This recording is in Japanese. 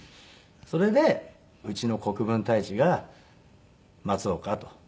それでうちの国分太一が「松岡」と。